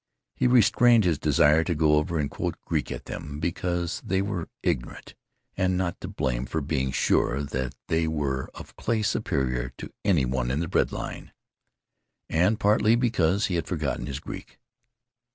He restrained his desire to go over and quote Greek at them, because they were ignorant and not to blame for being sure that they were of clay superior to any one in a bread line. And partly because he had forgotten his Greek.